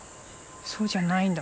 そうじゃないんだ